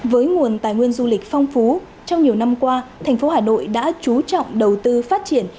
với nguồn tài nguyên du lịch phong phú trong nhiều năm qua tp hcm đã chú trọng đầu tư phát triển